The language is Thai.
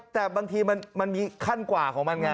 แต่บางทีมันมีขั้นกว่าของมันไง